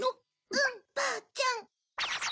うんばあちゃん。